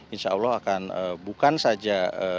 insya allah akan bukan saja